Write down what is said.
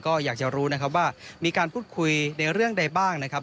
ก็อยากจะรู้นะครับว่ามีการพูดคุยในเรื่องใดบ้างนะครับ